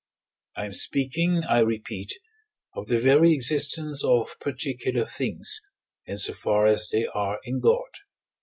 I am speaking, I repeat, of the very existence of particular things, in so far as they are in God.